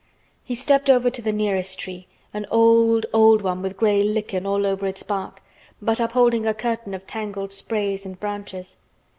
He stepped over to the nearest tree—an old, old one with gray lichen all over its bark, but upholding a curtain of tangled sprays and branches.